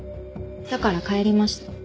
だから帰りました。